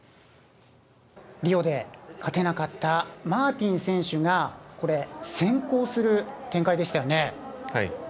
リオで勝てなかったマーティン選手がこれ、先行する展開でしたよね。